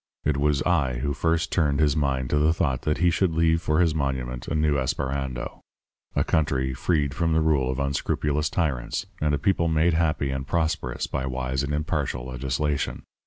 It was I who first turned his mind to the thought that he should leave for his monument a new Esperando a country freed from the rule of unscrupulous tyrants, and a people made happy and prosperous by wise and impartial legislation.